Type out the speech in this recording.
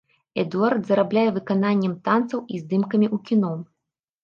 Эдуард зарабляе выкананнем танцаў і здымкамі ў кіно.